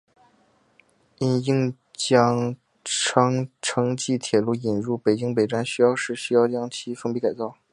因应京张城际铁路引入北京北站需要时需要将其封闭改造。